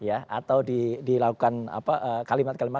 atau dilakukan kalimat kalimat